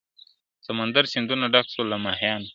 سمندر، سیندونه ډک سول له ماهیانو ..